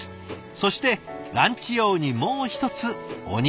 そしてランチ用にもう１つおにぎりを。